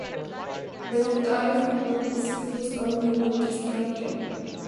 They dive below the surface only when disturbed.